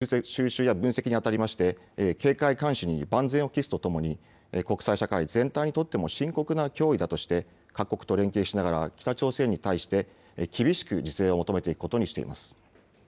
政府は日米韓３か国を中心に情報の収集や分析にあたりまして警戒監視に万全を期すとともに国際社会全体にとっても深刻な脅威だとして各国と連携しながら北朝鮮に対して厳しく自制を求めていくことにしています。